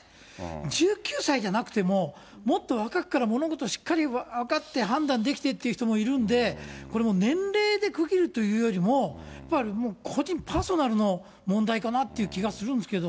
１９歳じゃなくても、もっと若くから物事しっかり分かって、判断できてっていう人もいるんで、これもう年齢で区切るというよりも、やっぱり個人、パーソナルの問題かなっていう気がするんですけど。